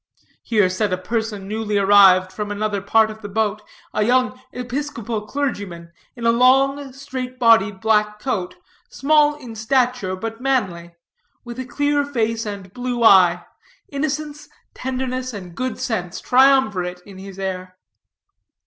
here said a person newly arrived from another part of the boat, a young Episcopal clergyman, in a long, straight bodied black coat; small in stature, but manly; with a clear face and blue eye; innocence, tenderness, and good sense triumvirate in his air.